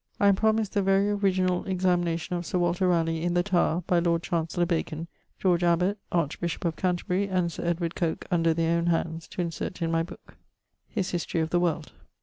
_> I am promised the very originall examination of Sir Walter Ralegh, in the Tower, by Lord Chancellor Bacon, George Abbot (archbishop of Canterbury), and Sir Edward Coke, under their owne hands, to insert in my booke. <_His 'History of the World.'